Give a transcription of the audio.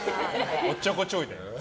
おっちょこちょいだよ。